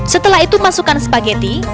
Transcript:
setelah itu masukkan spageti